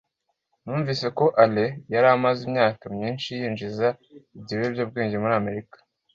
Numvise ko Alain yari amaze imyaka myinshi yinjiza ibiyobyabwenge muri Amerika